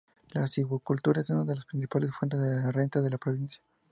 La silvicultura es una de las principales fuentes de renta de la provincia.